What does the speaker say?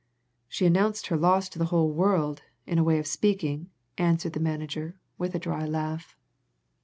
"She announced her loss to the whole world, in a way of speaking," answered the manager, with a dry laugh.